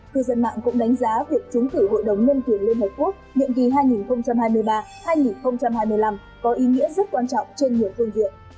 cư dân mạng cũng đánh giá việc trúng cử hội đồng nhân quyền liên hợp quốc nhiệm kỳ hai nghìn hai mươi ba hai nghìn hai mươi năm có ý nghĩa rất quan trọng trên nhiều phương diện